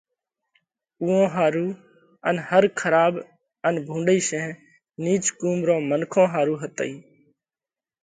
اُوئون ۿارُو ان ھر کراٻ ان ڀُونڏئي شينھ نِيچ قُوم رون منکون ۿارُو ھتئي۔